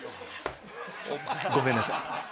ごめんなさい。